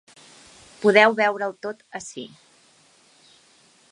Podeu veure’l tot ací.